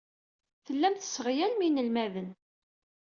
Tellam tesseɣyalem inelmaden.